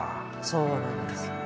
そうなんですよね。